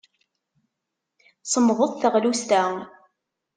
Semmḍet teɣlust-a.